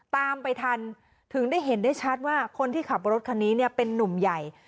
ตามไปทันถึงได้เห็นได้ชัดว่าคนที่ขับรถคันนี้เนี่ยเป็นนุ่มใหญ่